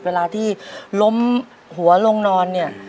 เวลาที่ล้มหัวลงนอนเนี่ย